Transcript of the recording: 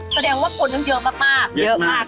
แสดงว่าฝนเยอะมากก่อนเยอะมาก